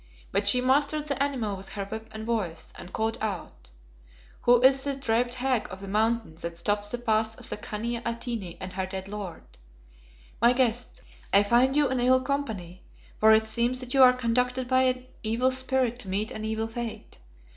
But she mastered the animal with her whip and voice, and called out "Who is this draped hag of the Mountain that stops the path of the Khania Atene and her dead lord? My guests, I find you in ill company, for it seems that you are conducted by an evil spirit to meet an evil fate.